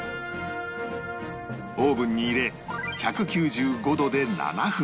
オーブンに入れ１９５度で７分